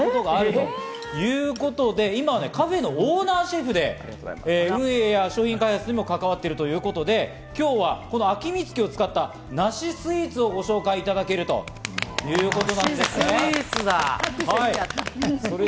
ということで今、カフェのオーナーシェフで運営や商品開発にも関わっているということで、今日は秋満月を使った梨スイーツをご紹介いただけるということなんですね。